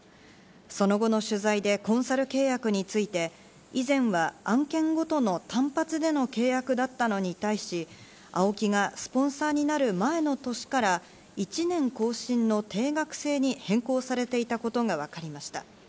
その後の取材でコンサル契約について以前は案件ごとの単発ごとの契約だったのに対し、ＡＯＫＩがスポンサーになる前の年から、１年更新の定額制に変更されていたことがわかりました。